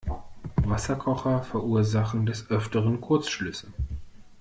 Wasserkocher verursachen des Öfteren Kurzschlüsse.